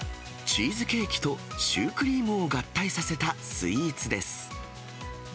チーズケーキとシュークリームを合体させたスイーツです。